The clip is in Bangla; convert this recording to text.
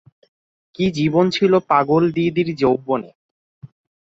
কী জীবন ছিল পাগলদিদির যৌবনে?